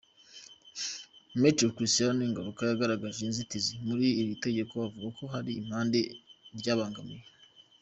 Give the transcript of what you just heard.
Maître Christian Ngaruka yagaragaje inzitizi ziri muri iri tegeko avuga ko hari impande ryabangamiye.